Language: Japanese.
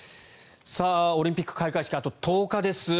オリンピック開会式あと１０日です。